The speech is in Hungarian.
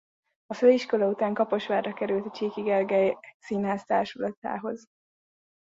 A főiskola után Kaposvárra került a Csiky Gergely Színház társulatához.